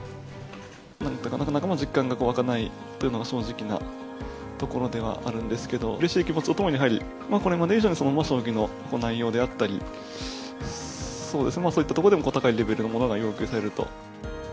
なかなか実感が湧かないというのが正直なところではあるんですけど、うれしい気持ちとともに、やはりこれまで以上にその将棋の内容であったり、そういったところでも高いレベルのものが要求されると。